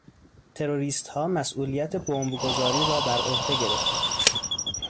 تروریستها مسئولیت بمبگذاری را برعهده گرفتند.